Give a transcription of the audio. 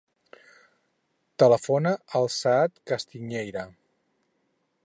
Telefona al Saad Castiñeira.